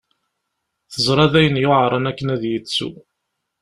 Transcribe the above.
Teẓra d ayen yuɛren akken ad yettu.